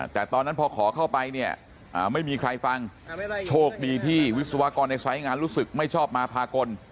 แต่ตอนนั้นพอขอเข้าไปเนี่ยไม่มีใครฟังโชคดีที่วิศวกรในสายงานรู้สึกไม่ชอบมาพากล